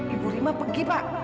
ibu rima pergi pak